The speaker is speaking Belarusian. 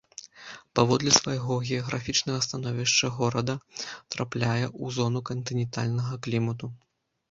Паводле свайго геаграфічнага становішча горада трапляе ў зону кантынентальнага клімату.